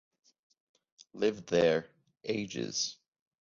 Lived there — ages.